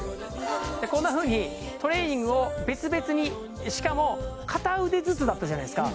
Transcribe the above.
こんなふうにトレーニングを別々にしかも片腕ずつだったじゃないですか